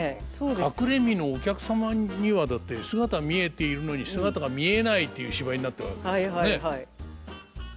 隠れ蓑お客様にはだって姿見えているのに姿が見えないっていう芝居になってるわけですからね。